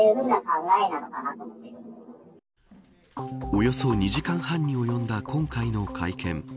およそ２時間半に及んだ今回の会見。